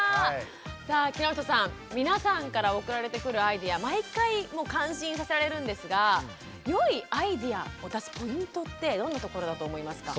さあ木下さん皆さんから送られてくるアイデア毎回感心させられるんですが良いアイデアを出すポイントってどんなところだと思いますか？